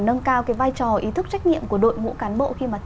nâng cao cái vai trò ý thức trách nhiệm của đội ngũ cán bộ